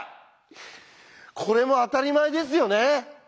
これもあたりまえですよね？